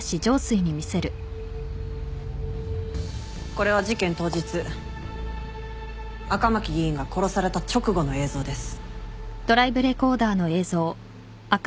これは事件当日赤巻議員が殺された直後の映像です。